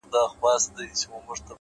زه خو پاچا نه؛ خپلو خلگو پر سر ووهلم ـ